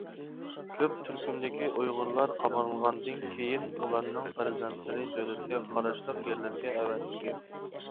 كۆپ تۈركۈمدىكى ئۇيغۇرلار قامالغاندىن كېيىن، ئۇلارنىڭ پەرزەنتلىرى دۆلەتكە قاراشلىق يەرلەرگە ئەۋەتىلگەن .